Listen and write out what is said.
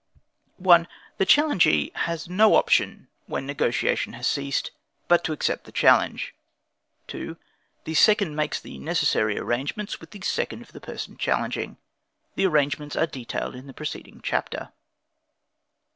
1. The challengee has no option when negotiation has ceased, but to accept the challenge. 2. The second makes the necessary arrangements with the second of the person challenging. The arrangements are detailed in the preceding chapter.